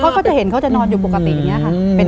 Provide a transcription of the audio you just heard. เขาก็จะเห็นเขาจะนอนอยู่ปกติอย่างนี้ค่ะ